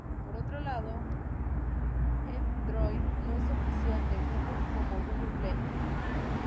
Por otro lado, F-Droid no es oficial de Google, como Google Play.